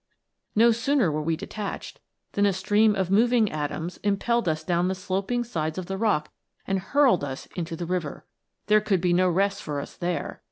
" No sooner were we detached, than a stream of moving atoms impelled us down the sloping sides of the rock and hurled us into the river. There could be no rest for us there.